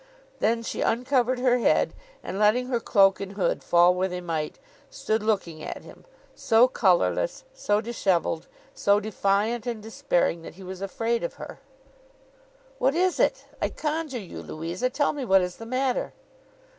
Then she uncovered her head, and letting her cloak and hood fall where they might, stood looking at him: so colourless, so dishevelled, so defiant and despairing, that he was afraid of her. 'What is it? I conjure you, Louisa, tell me what is the matter.